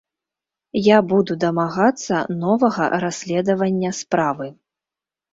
Я буду дамагацца новага расследавання справы.